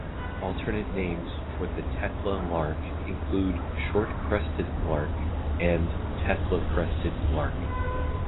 Alternate names for Thekla lark include short-crested lark and Thekla crested-lark.